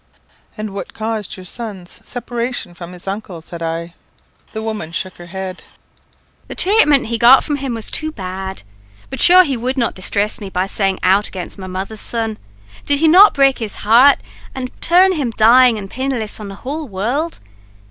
"And what caused your son's separation from his uncle?" said I. The woman shook her head. "The thratement he got from him was too bad. But shure he would not disthress me by saying aught agin my mother's son. Did he not break his heart, and turn him dying an' pinniless on the wide world?